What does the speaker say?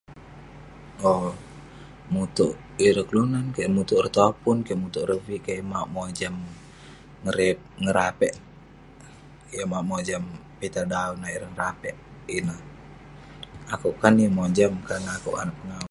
Owk..mutouk ireh kelunan kik, mutouk ireh topun kik, mutouk ireh viik kik eh mauk mojam, ngerep..ngerapek, yah mauk mojam pitah daon ayuk ireh ngerapek ineh..akouk kan yeng mojam kerna akouk anak pengawu..